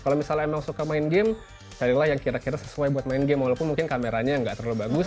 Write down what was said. kalau misalnya emang suka main game carilah yang kira kira sesuai buat main game walaupun mungkin kameranya nggak terlalu bagus